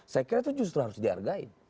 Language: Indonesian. saya kira itu justru harus dihargai